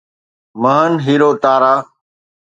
مهن هيرو تارا